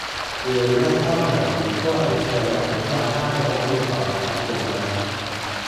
หรือไม่ก็หมายถึงพวกดีเซลรางที่เราได้รถมือสองจากญี่ปุ่นมา ?